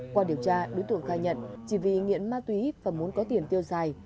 qua điều tra đối tượng khai nhận chỉ vì nghiện ma túy và muốn có tiền tiêu xài